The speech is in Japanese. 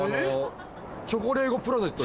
チョコレーゴプラネット？